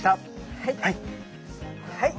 はい。